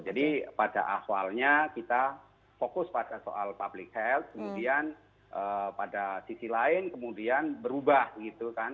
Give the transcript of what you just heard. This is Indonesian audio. jadi pada awalnya kita fokus pada soal public health kemudian pada sisi lain kemudian berubah gitu kan